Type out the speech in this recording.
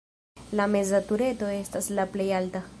La meza tureto estas la plej alta.